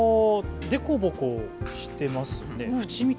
凸凹してますね。